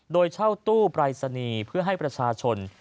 โดยเช่าตู้ปรายศนีย์เพื่อให้ประชาชน